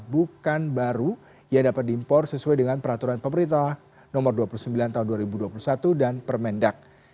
bukan baru yang dapat diimpor sesuai dengan peraturan pemerintah nomor dua puluh sembilan tahun dua ribu dua puluh satu dan permendak